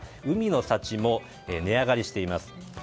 海の幸も値上がりしています。